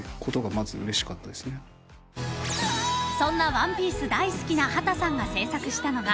［そんな『ＯＮＥＰＩＥＣＥ』大好きな秦さんが制作したのが］